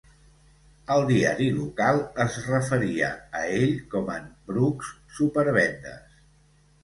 El diari local es referia a ell com en "Brooks supervendes".